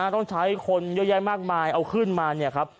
ต้องใช้คนเยอะแยะมากมายเอาขึ้นมาเนี่ยครับ